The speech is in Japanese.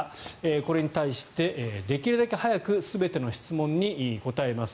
これに対して、できるだけ早く全ての質問に答えます